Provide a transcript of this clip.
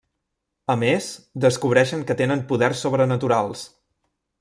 A més, descobreixen que tenen poders sobrenaturals.